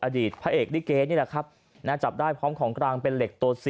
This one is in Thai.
อดีตพระเอกลิเกนี่แหละครับจับได้พร้อมของกลางเป็นเหล็กตัว๔